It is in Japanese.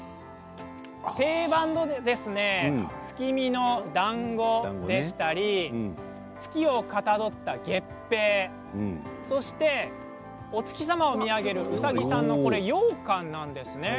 定番の月見のだんごでしたり月をかたどった月餅そして、お月様を見上げるうさぎさんのようかんなんです。